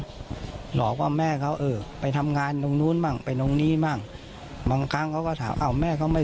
ครอบครัวไม่ได้อาฆาตแต่มองว่ามันช้าเกินไปแล้วที่จะมาแสดงความรู้สึกในตอนนี้